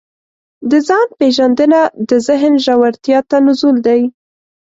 د ځان پېژندنه د ذهن ژورتیا ته نزول دی.